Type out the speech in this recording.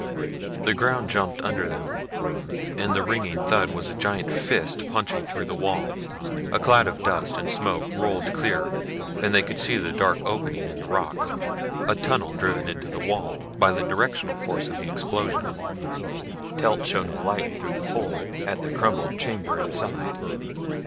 The ground jumped under them and the ringing thud was a giant fist punching through the wall. A cloud of dust and smoke rolled clear and they could see the dark opening in the rock, a tunnel driven into the wall by the directional force of the explosion. Telt shone a light through the hole at the crumbled chamber inside.